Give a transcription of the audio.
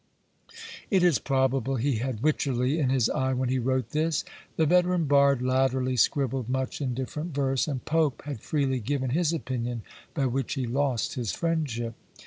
It is probable he had Wycherley in his eye when he wrote this. The veteran bard latterly scribbled much indifferent verse; and Pope had freely given his opinion, by which he lost his friendship!